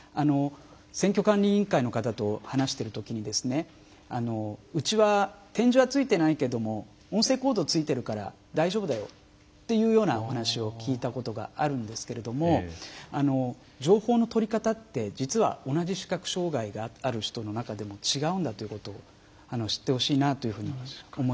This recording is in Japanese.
選挙管理委員会の方と話してる時にうちは点字はついていないけども音声コードついてるから大丈夫だよっていうようなお話を聞いたことがあるんですけれども情報の取り方って実は同じ視覚障害がある人の中でも違うんだということを知ってほしいなというふうに思いますね。